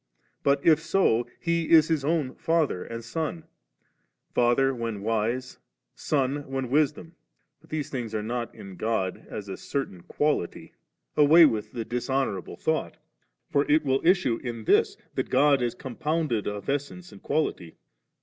But if so. He is His own Father and Son; Father, when Wise, Son, when Wisdom; but these things are not in God as a certain quality ; away with the dishonouf able^ thought; for it will issue in this, that God is compounded of essence and quality^.